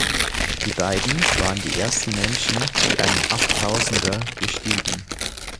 Die beiden waren die ersten Menschen, die einen Achttausender bestiegen.